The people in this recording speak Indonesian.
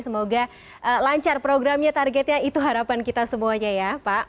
semoga lancar programnya targetnya itu harapan kita semuanya ya pak